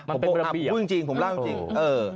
มันเป็นประเบียบผมร่างจริงผมร่างจริงเออ